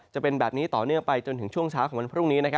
จะเป็นแบบนี้ต่อเนื่องไปจนถึงช่วงเช้าของวันพรุ่งนี้